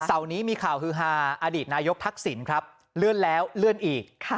นี้มีข่าวฮือฮาอดีตนายกทักษิณครับเลื่อนแล้วเลื่อนอีก